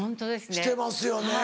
してますよね。